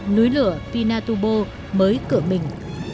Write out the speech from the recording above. núi lửa pinatubo mới cửa mình